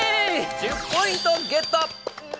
１０ポイントゲット！